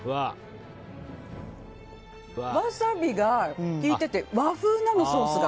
ワサビが効いてて和風なの、ソースが。